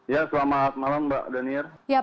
ya selamat malam mbak daniel